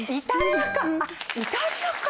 イタリアか！